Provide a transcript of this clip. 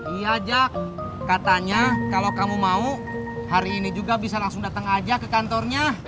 iya jak katanya kalau kamu mau hari ini juga bisa langsung datang aja ke kantornya